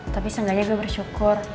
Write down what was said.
tapi seenggaknya gue bersyukur